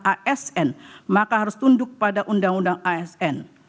asn maka harus tunduk pada undang undang asn